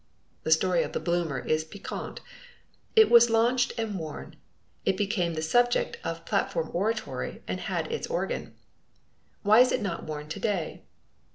The story of the bloomer is piquant. It was launched and worn. It became the subject of platform oratory and had its organ. Why is it not worn to day?